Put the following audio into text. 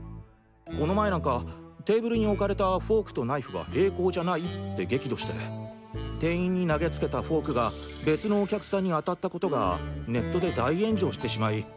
この前なんかテーブルに置かれたフォークとナイフが平行じゃないって激怒して店員に投げつけたフォークが別のお客さんに当たった事がネットで大炎上してしまい